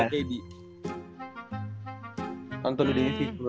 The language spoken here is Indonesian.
nonton lu deh sih menurut gue